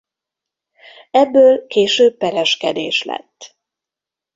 Ebből később pereskedés lett.